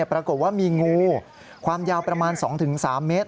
ปรากฏว่ามีงูความยาวประมาณ๒๓เมตร